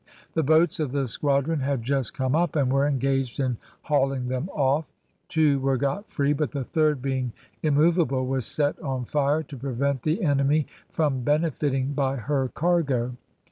The boats of the squadron had just come up, and were engaged in hauling them off; two were got free, but the third being immoveable, was set on fire to prevent the enemy from benefiting by her cargo.